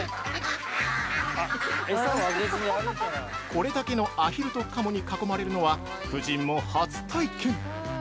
◆これだけのアヒルとカモに囲まれるのは、夫人も初体験！